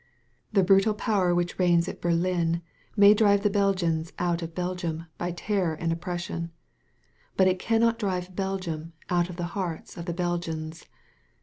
The brutal power which rdgns at Berlin may drive the Belgians out of Belgium by terror and oppression. But it cannot drive Belgium out of the hearts of the Belgians.